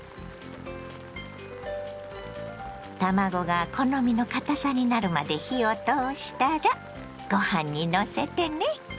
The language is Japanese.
卵が好みの堅さになるまで火を通したらごはんにのせてね。